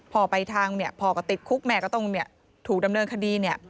พ่อไปทางพ่อก็ติดคุกแม่ก็ต้องถูกดำเนินคดี